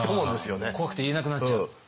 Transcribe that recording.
怖くて言えなくなっちゃう。